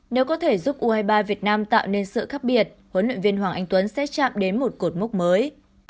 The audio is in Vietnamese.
nếu có thể giúp u hai mươi ba việt nam tạo nên sự khác biệt huấn luyện viên hoàng anh tuấn sẽ chạm đến một cột mốc mới